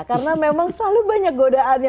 karena memang selalu banyak godaannya